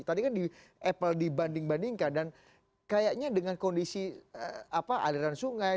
tadi kan di apple dibanding bandingkan dan kayaknya dengan kondisi aliran sungai